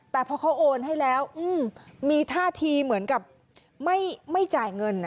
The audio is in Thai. แต่พอเขาโอนให้แล้วมีท่าทีเหมือนกับไม่จ่ายเงิน